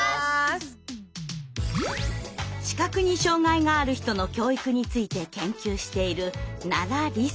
視覚に障害がある人の教育について研究している奈良里紗さん。